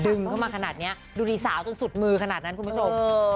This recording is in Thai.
ดึงเข้ามาขนาดนี้ดูดิสาวจนสุดมือขนาดนั้นคุณผู้ชม